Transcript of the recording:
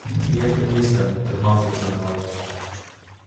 He had the news then that Marthe was on her way.